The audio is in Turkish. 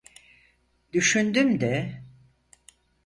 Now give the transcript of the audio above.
Düşündüm de...